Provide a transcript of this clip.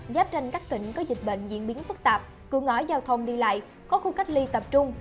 giáp tranh các tỉnh có dịch bệnh diễn biến phức tạp cửa ngõ giao thông đi lại có khu cách ly tập trung